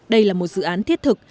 đây là một dự án thiết thực